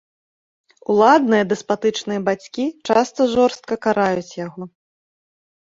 Уладныя і дэспатычныя бацькі часта жорстка караюць яго.